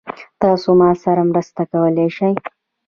تاسو ما سره مرسته کولی شئ؟